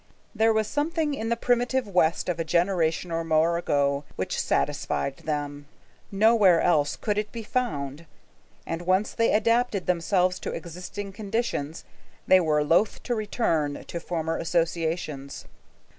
There was something in the primitive West of a generation or more ago which satisfied them. Nowhere else could it be found, and once they adapted themselves to existing conditions, they were loath to return to former associations.